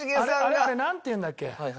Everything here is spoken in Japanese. あれなんていうんだっけ？